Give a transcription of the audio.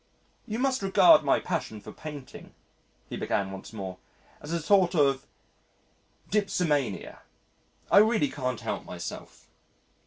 "You must regard my passion for painting," he began once more, "as a sort of dipsomania I really can't help myself."